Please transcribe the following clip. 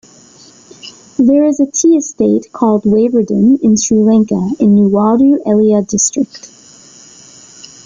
There is a Tea Estate called Wavendon in Sri Lanka, in Nuwara Eliya district.